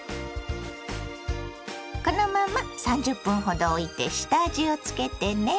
このまま３０分ほどおいて下味をつけてね。